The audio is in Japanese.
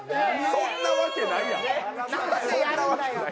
そんなわけないやん。